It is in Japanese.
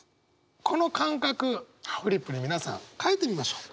この感覚フリップに皆さん書いてみましょう。